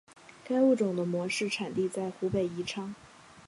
该物种的模式产地在湖北宜昌。